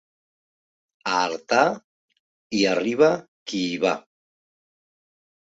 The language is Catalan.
A Artà hi arriba qui hi va...